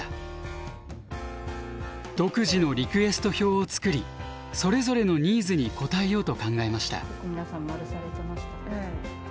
独自のリクエスト票を作りそれぞれのニーズに応えようと考えました。